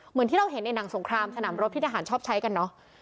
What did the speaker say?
เหมือนที่เราเห็นในหนังสงครามสนามรบที่ทหารชอบใช้กันเนอะ